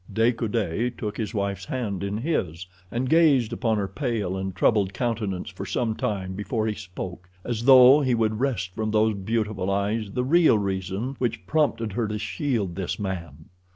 De Coude took his wife's hands in his, and gazed upon her pale and troubled countenance for some time before he spoke, as though he would wrest from those beautiful eyes the real reason which prompted her to shield this man.